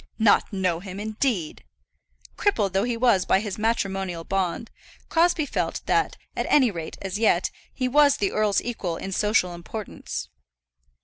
"Not know him, indeed!" Crippled though he was by his matrimonial bond, Crosbie felt that, at any rate as yet, he was the earl's equal in social importance.